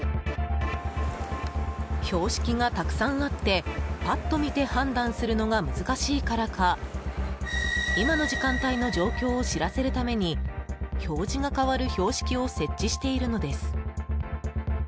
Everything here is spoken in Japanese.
標識がたくさんあってパッと見て判断するのが難しいからか今の時間帯の状況を知らせるために表示が変わる標識を設置しているのです。